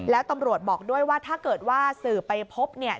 แล้วตำรวจบอกด้วยว่าถ้าเกิดว่าสื่อไปพบเนี่ย